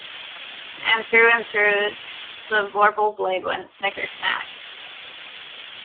And through and through the vorpal blade went snicker-snack!